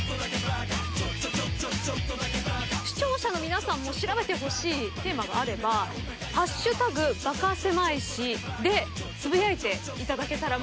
視聴者の皆さんも調べてほしいテーマがあれば「＃バカせまい史」でつぶやいていただけたら。